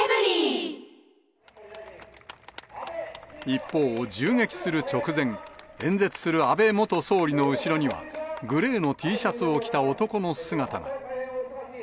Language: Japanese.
一方、銃撃する直前、演説する安倍元総理の後ろには、グレーのＴシャツを着た男の姿が。